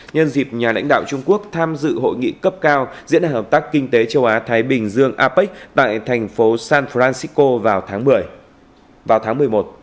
nhân dịp nhà lãnh đạo trung quốc tham dự hội nghị cấp cao diễn hợp tác kinh tế châu á thái bình dương apec tại thành phố san francisco vào tháng một mươi